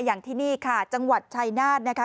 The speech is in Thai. อย่างที่นี่ค่ะจังหวัดชายนาฏนะคะ